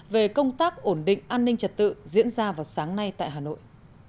về công tác ổn định an ninh trật tự diễn ra vào sáng nay tại hà nội